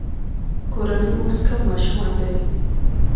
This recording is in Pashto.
کورنۍ اوس کم ماشومان لري.